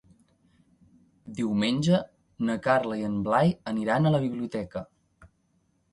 Diumenge na Carla i en Blai aniran a la biblioteca.